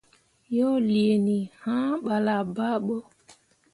Yo liini, hã ɓala baaɓo.